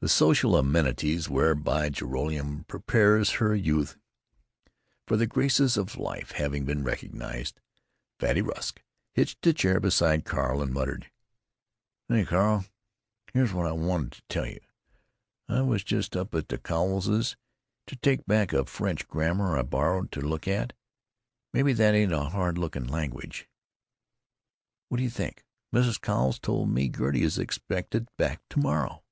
The social amenities whereby Joralemon prepares her youth for the graces of life having been recognized, Fatty Rusk hitched a chair beside Carl, and muttered: "Say, Carl, here's what I wanted to tell you: I was just up to the Cowleses' to take back a French grammar I borrowed to look at——Maybe that ain't a hard looking language! What d'you think? Mrs. Cowles told me Gertie is expected back to morrow."